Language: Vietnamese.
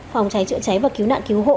phòng cháy chữa cháy và cứu nạn cứu hộ